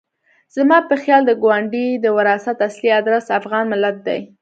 زما په خیال د کونډې د وراثت اصلي ادرس افغان ملت دی.